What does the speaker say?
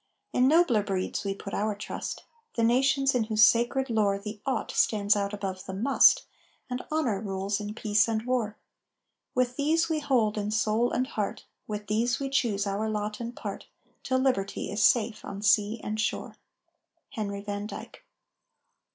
In nobler breeds we put our trust: The nations in whose sacred lore The "Ought" stands out above the "Must," And honor rules in peace and war. With these we hold in soul and heart, With these we choose our lot and part, Till liberty is safe on sea and shore. HENRY VAN DYKE.